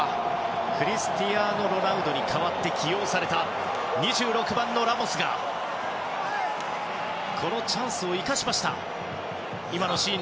クリスティアーノ・ロナウドに代わって起用された２６番のラモスがこのチャンスを生かしました。